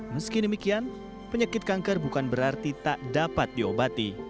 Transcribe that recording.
meski demikian penyakit kanker bukan berarti tak dapat diobati